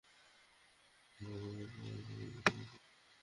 তুই আহত হলে, কেউ তোর হাসপাতালের বিল পরিশোধ করবে না।